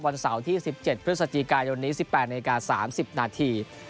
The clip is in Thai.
เสาร์ที่๑๗พฤศจิกายนนี้๑๘นาที๓๐นาที